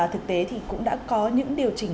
thực tế thì cũng đã có những điều chỉnh